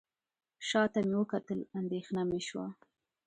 شاته مې وکتل اندېښنه مې شوه.